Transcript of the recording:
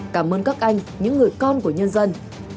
cảm ơn các anh những người con của nhân dân